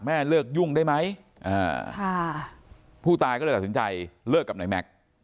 เลิกยุ่งได้ไหมผู้ตายก็เลยตัดสินใจเลิกกับนายแม็กซ์